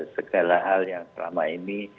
segala hal yang selama ini